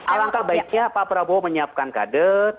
alangkah baiknya pak prabowo menyiapkan kader